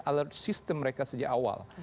alert sistem mereka sejak awal